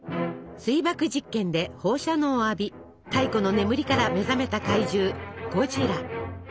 水爆実験で放射能を浴び太古の眠りから目覚めた怪獣ゴジラ。